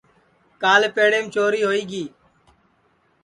کال پیڑیم چوری ہوئی گی